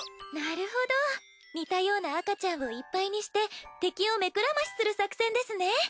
なるほど似たような赤ちゃんをいっぱいにして敵をめくらましする作戦ですね。